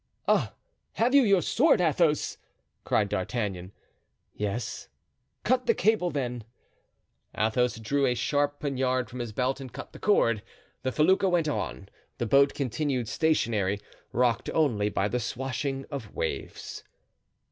"Ah! have you your sword, Athos?" cried D'Artagnan. "Yes." "Cut the cable, then." Athos drew a sharp poniard from his belt and cut the cord. The felucca went on, the boat continued stationary, rocked only by the swashing waves.